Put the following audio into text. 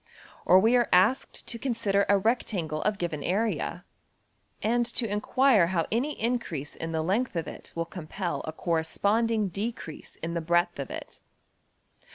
Or we are asked to consider a rectangle of given area, and to enquire how any increase in the length of it will compel a corresponding decrease in the breadth of it.